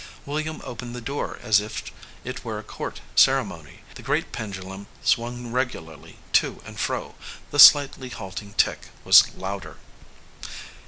William opened the door as if it were a court ceremony. The great pendulum swung regularly to and fro, the slightly halting tick was louder.